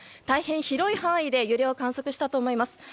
大変広い範囲で揺れを観測したと思います。